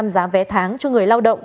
ba mươi giá vé tháng cho người lao động